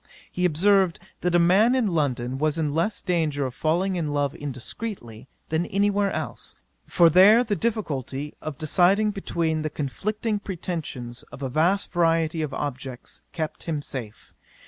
He observed, that a man in London was in less danger of falling in love indiscreetly, than any where else; for there the difficulty of deciding between the conflicting pretensions of a vast variety of objects, kept him safe.